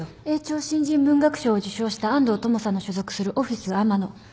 永鳥新人文学賞を受賞した安藤トモさんの所属するオフィス・アマノ。